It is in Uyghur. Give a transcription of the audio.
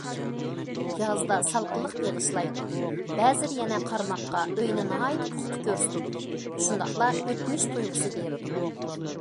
يازدا سالقىنلىق بېغىشلايدۇ، بەزىدە يەنە قارىماققا ئۆينى ناھايىتى پۇختا كۆرسىتىدۇ شۇنداقلا ئۆتمۈش تۇيغۇسى بېرىدۇ.